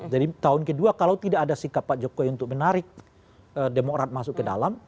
jadi tahun kedua kalau tidak ada sikap pak jokowi untuk menarik demokrat masuk ke dalam